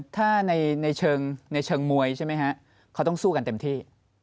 ถ้าในเชิงในเชิงมวยใช่มั้ยฮะเขาต้องสู้กันเต็มที่